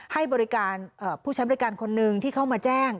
ให้บริการผู้ใช้บริการคนหนึ่งที่เข้ามาแจ้ง